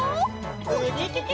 ウキキキ！